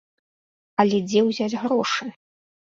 Але дзе ўзяць грошы?